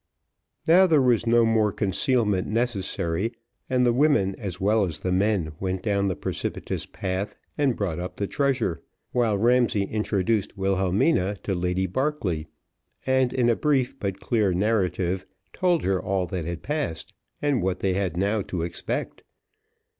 Now, there was no more concealment necessary, and the women as well as the men went down the precipitous path and brought up the treasure, while Ramsay introduced Wilhelmina to Lady Barclay, and, in a brief, but clear narrative, told her all that had passed, and what they had now to expect.